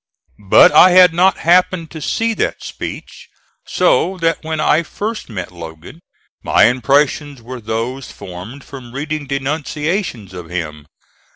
But I had not happened to see that speech, so that when I first met Logan my impressions were those formed from reading denunciations of him.